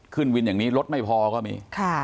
ขึ้นวินอย่างนี้รถไม่พอก็มี